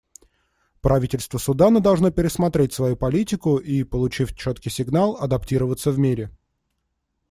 Правительство Судана должно пересмотреть свою политику и, получив четкий сигнал, адаптироваться в мире.